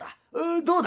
どうだい？」。